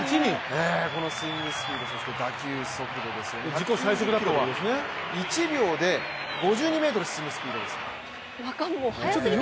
このスイングスピード打球速度ということは１秒で５２ｍ進むスピードです。